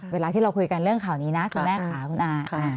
เวลาที่เราคุยกันเรื่องข่าวนี้นะคุณแม่ค่ะคุณอา